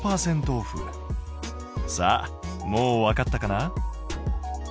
さあもうわかったかな？